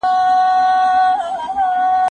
نې غېيم، نې ښخوم.